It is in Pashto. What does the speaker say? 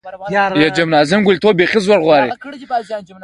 پښتون په کښي غرقېږي، دا څنګه ازادي ده.